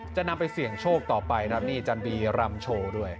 จะนำไปเสี่ยงโชคต่อไปครับนี่จันบีรำโชว์ด้วย